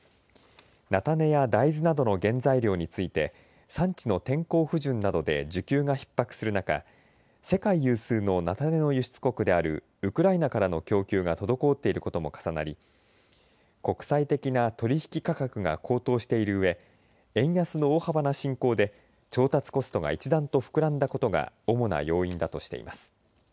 菜種や大豆などの原材料について産地の天候不順などで需要がひっ迫する中世界有数の菜種の輸出国であるウクライナからの供給が滞っていることも重なり国際的な取引価格が高騰しているうえ円安の大幅な進行で調達コストが一段と膨らんだことが主な要因だとしています。